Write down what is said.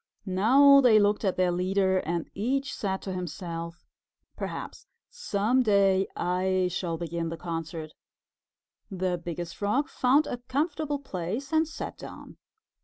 Now they looked at their leader and each said to himself, "Perhaps some day I shall begin the concert." The Biggest Frog found a comfortable place and sat down.